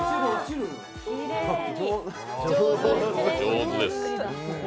上手です。